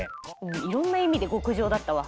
いろんな意味で極上だったわ。